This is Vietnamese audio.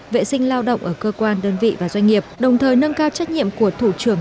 vệ sinh lao động ở cơ quan đơn vị và doanh nghiệp đồng thời nâng cao trách nhiệm của thủ trưởng